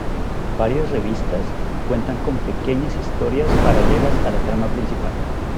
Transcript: Varias revistas cuentan con pequeñas historias paralelas a la trama principal.